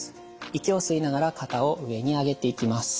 息を吸いながら肩を上に上げていきます。